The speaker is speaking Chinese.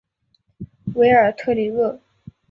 韦尔特里厄。